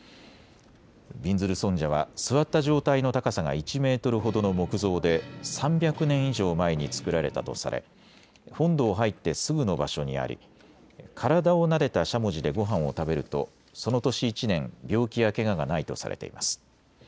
びんずる尊者は座った状態の高さが１メートルほどの木像で３００年以上前に作られたとされ本堂を入ってすぐの場所にあり体をなでたしゃもじでごはんを食べるとその年１年病気やけががないとされています。